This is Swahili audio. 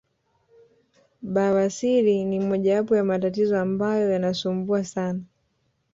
Bawasiri ni mojawapo ya matatizo ambayo yanasumbua sana